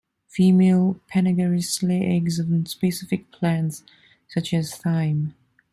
Female "Phengaris" lay eggs on specific plants such as thyme.